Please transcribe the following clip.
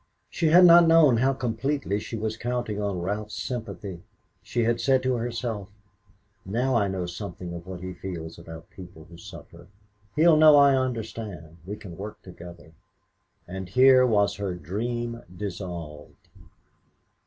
She had not known how completely she was counting on Ralph's sympathy. She had said to herself: "Now I know something of what he feels about people who suffer; he'll know I understand; we can work together." And here was her dream dissolved.